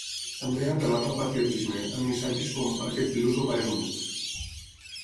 També ha apel·lat al patriotisme, amb missatges com ‘aquest virus el parem units’.